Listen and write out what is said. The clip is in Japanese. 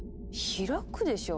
開くでしょ。